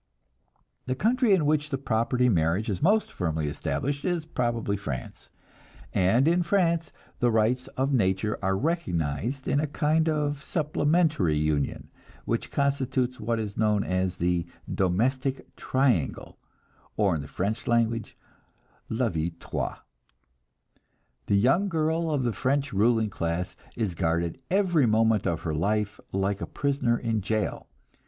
The country in which the property marriage is most firmly established is probably France; and in France the rights of nature are recognized in a kind of supplementary union, which constitutes what is known as the "domestic triangle," or in the French language, "la vie trois." The young girl of the French ruling classes is guarded every moment of her life like a prisoner in jail.